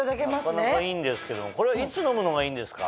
なかなかいいんですけどこれいつ飲むのがいいんですか？